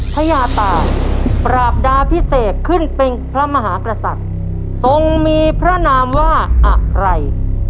พญาตายปราบดาพิเศษขึ้นเป็นพระมหากษัตริย์ทรงมีพระนามว่าอะไร